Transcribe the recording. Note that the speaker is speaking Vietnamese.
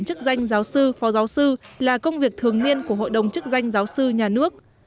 chức danh giáo sư phó giáo sư là công việc thường niên của hội đồng chức danh giáo sư nhà nước